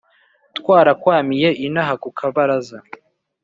twarakwamiye inaha ku kabaraza